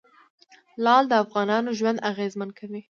لعل د افغانانو ژوند اغېزمن کوي.